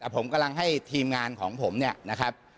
ผมกำลังให้ทีมงานของผมเนี่ยนะครับ